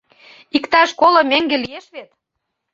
Иктаж коло меҥге лиеш вет!